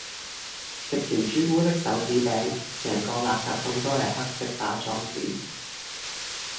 食完朱古力手指餅，成個垃圾桶都係黑色包裝紙